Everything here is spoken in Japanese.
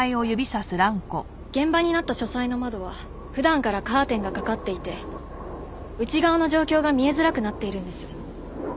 現場になった書斎の窓は普段からカーテンが掛かっていて内側の状況が見えづらくなっているんです。